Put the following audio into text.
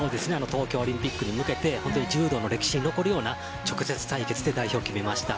東京オリンピックに向けて柔道の歴史に残るような直接対決で代表を決めました。